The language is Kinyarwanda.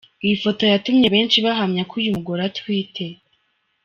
Iyi foto yatumye benshi bahamya ko uyu mugore atwite.